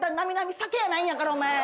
酒やないんやからお前。